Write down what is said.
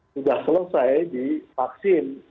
sudah selesai di vaksin